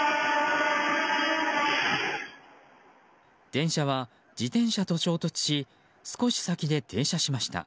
電車は、自転車と衝突し少し先で停車しました。